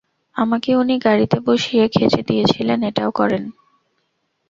আমাকে উনি গাড়িতে বসিয়ে খেচে দিয়েছিলেন, এটাও কারন।